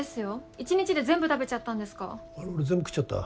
一日で全部食べちゃったんですかあれ俺全部食っちゃった？